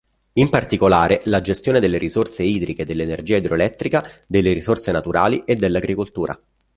In particolare, la gestione delle risorse idriche, dell'energia idroelettrica, delle risorse naturali e dell'agricoltura.